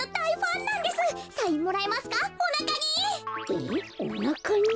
えっおなかに？